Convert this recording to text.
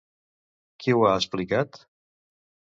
Qui ho ha explicat?